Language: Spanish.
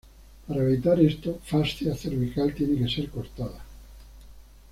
Para evitar esto, fascia cervical tiene que ser cortada.